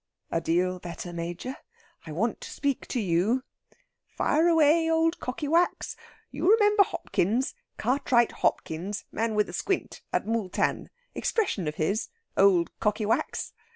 "A deal better, Major. I want to speak to you." "Fire away, old Cockywax! You remember Hopkins? Cartwright Hopkins man with a squint at Mooltan expression of his, 'Old Cockywax.'"